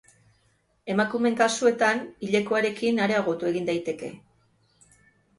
Emakumeen kasuetan hilekoarekin areagotu egin daiteke.